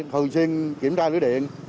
thường xuyên kiểm tra lưới điện